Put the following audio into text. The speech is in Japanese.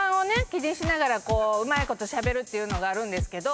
気にしながらこううまいことしゃべるのがあるんですけど。